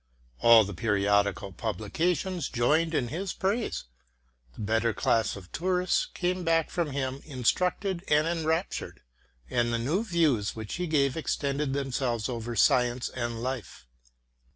All the periodical publications joined in his praise, the better class of tourists came back from him instructed and enraptured, and the new views which he gave extended themselves over science and life.